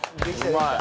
うまい。